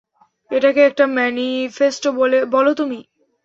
এটাকে একটা ম্যানিফেস্টো বলো তুমি?